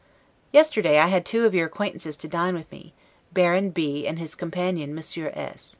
Yesterday I had two of your acquaintances to dine with me, Baron B. and his companion Monsieur S.